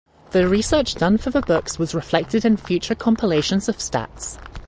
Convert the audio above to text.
The research done for the books was reflected in future compilations of stats.